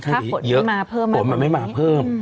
ไทยอิสราญัตรร